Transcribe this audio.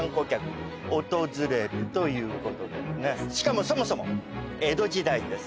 しかもそもそも江戸時代です。